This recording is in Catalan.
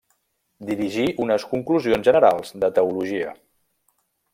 Dirigí unes conclusions generals de teologia.